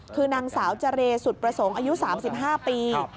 คือนางสาวเจรสุดประสงค์อายุ๓๕ปี